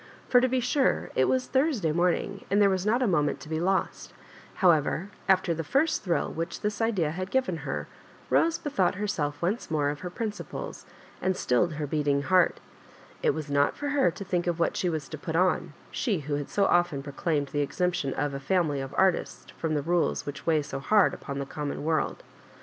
For, to be sure, it was Thursday morning, and there was not a moment to be lost However, after the first thrill which this idea had given her, Bose bethought herself once more of her principles, and stilled her beating heart It was not for her to think of what she was to put on, she who had so often proclaimed the exemption of " a &mily of artists " from the rules which weigh so hard upon the common world.